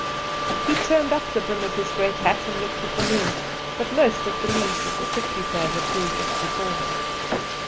He turned up the brim of his great hat and looked at the moon, but most at the leaves of the prickly pear that grew just before him.